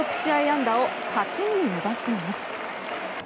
安打を８に伸ばしています。